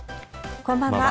こんばんは。